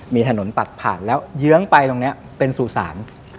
มีถนนตัดผ่านแล้วเยื้องไปตรงนี้เป็นสู่ศาล